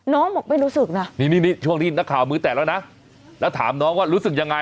น้องบอกไม่รู้สึกนะนี่นี่ช่วงที่นักข่าวมือแตกแล้วนะแล้วถามน้องว่ารู้สึกยังไง